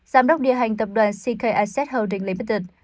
giám đốc địa hành tập đoàn ck asset holding limited